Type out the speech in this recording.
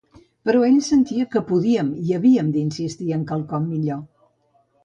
Però ell sentia que podíem i havíem d'insistir en quelcom millor.